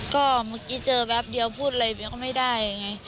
ก็เมื่อกี้เจอแป๊บเดียวพูดอะไรก็ไม่ได้ไง